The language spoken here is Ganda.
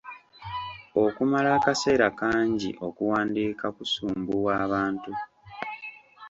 Okumala akaseera kangi okuwandiika kusumbuwa abantu.